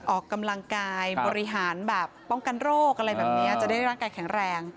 ออกกำลังกายบริหารแบบป้องกันโรคอะไรแบบนี้จะได้ร่างกายแข็งแรง